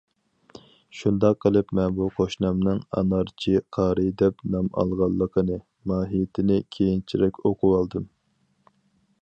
شۇنداق قىلىپ، مەن بۇ قوشنامنىڭ« ئانارچى قارى» دەپ نام ئالغانلىقىنى ماھىيىتىنى كېيىنچىرەك ئۇقۇۋالدىم.